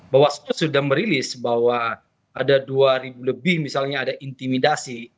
bawaslu sudah merilis bahwa ada dua ribu lebih misalnya ada intimidasi